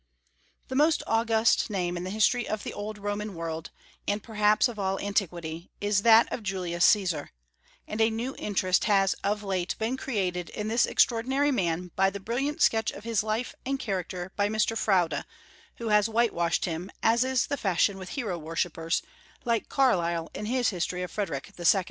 The most august name in the history of the old Roman world, and perhaps of all antiquity, is that of Julius Caesar; and a new interest has of late been created in this extraordinary man by the brilliant sketch of his life and character by Mr. Froude, who has whitewashed him, as is the fashion with hero worshippers, like Carlyle in his history of Frederick II.